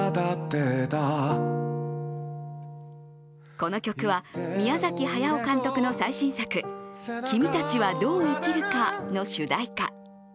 この曲は、宮崎駿監督の最新作「君たちはどう生きるか」の主題歌。